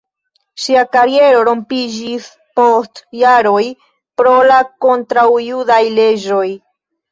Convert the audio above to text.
Ŝia kariero rompiĝis post jaroj pro la kontraŭjudaj leĝoj.